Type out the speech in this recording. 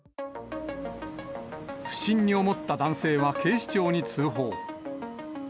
不審に思った男性は警視庁に通報。